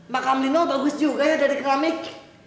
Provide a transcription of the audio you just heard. makam lino bagus juga ya dari keramik